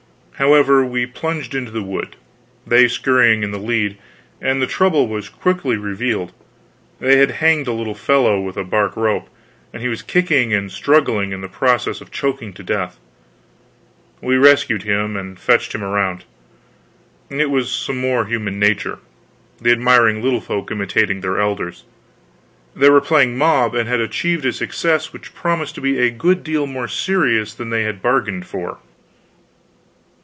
However, we plunged into the wood, they skurrying in the lead, and the trouble was quickly revealed: they had hanged a little fellow with a bark rope, and he was kicking and struggling, in the process of choking to death. We rescued him, and fetched him around. It was some more human nature; the admiring little folk imitating their elders; they were playing mob, and had achieved a success which promised to be a good deal more serious than they had bargained for.